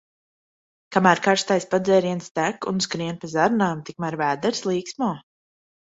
Kamēr karstais padzēriens tek un skrien pa zarnām, tikmēr vēders līksmo.